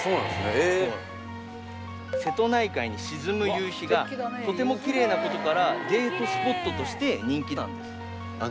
ええっ瀬戸内海に沈む夕日がとてもキレイなことからデートスポットとして人気なんですあっ